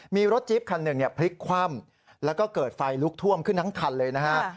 มีรถจี๊บคันหนึ่งพลิกคว่ำแล้วก็เกิดไฟลุกท่วมขึ้นทั้งคันเลยนะฮะ